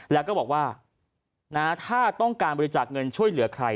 แล้วก็บอกว่าถ้าต้องการบริจาคเงินช่วยเหลือใคร